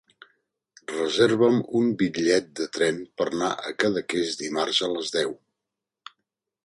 Reserva'm un bitllet de tren per anar a Cadaqués dimarts a les deu.